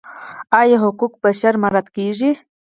آیا حقوق بشر مراعات کیږي؟